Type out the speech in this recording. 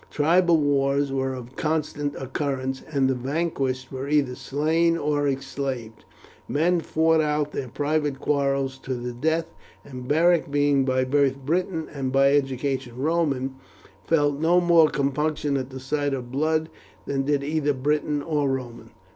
Tribal wars were of constant occurrence, and the vanquished were either slain or enslaved. Men fought out their private quarrels to the death; and Beric, being by birth Briton and by education Roman, felt no more compunction at the sight of blood than did either Briton or Roman.